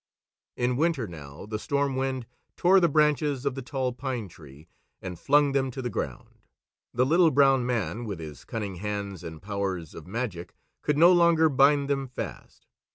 In winter now the Storm Wind tore the branches of the Tall Pine Tree and flung them to the ground. The Little Brown Man, with his cunning hands and powers of magic, could no longer bind them fast.